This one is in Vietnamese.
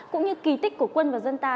cũng như kỳ tích của quân và dân ta